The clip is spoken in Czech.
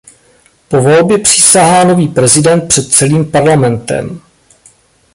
Po volbě přísahá nový prezident před celým parlamentem.